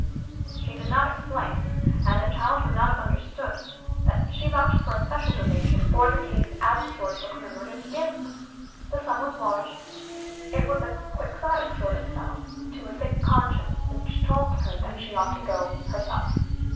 She did not explain, and the child would not have understood, that she vouched for a special donation for the case as a sort of commemorative gift. The sum was large it was a quixotic sort of salve to a sick conscience which told her that she ought to go herself.